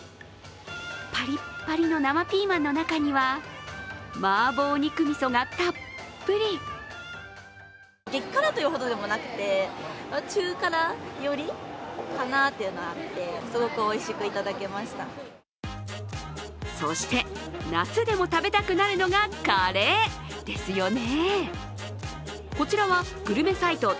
パリッパリの生ピーマンの中には、マーボー肉みそがたっぷりそして夏でも食べたくなるのがカレーですよね。